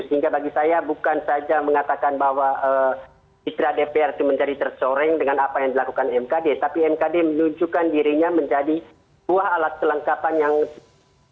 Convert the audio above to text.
sehingga bagi saya bukan saja mengatakan bahwa citra dpr itu menjadi tersoreng dengan apa yang dilakukan mkd tapi mkd menunjukkan dirinya menjadi buah alat kelengkapan yang tidak